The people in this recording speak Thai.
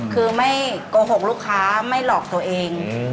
คือไม่โกหกลูกค้าไม่หลอกตัวเอง